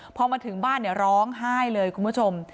พอมาถึงบ้านร้องไห้เลยคุณผู้ชม